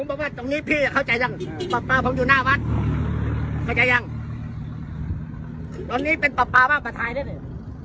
บอกว่าตรงนี้พี่เข้าใจยังปลาปลาผมอยู่หน้าวัดเข้าใจยังตอนนี้เป็นปลาปลาบ้านปลาทายได้เลย